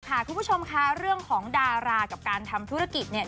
คุณผู้ชมค่ะเรื่องของดารากับการทำธุรกิจเนี่ย